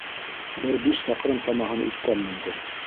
Бер биш саҡрым самаһын үткәнмендер.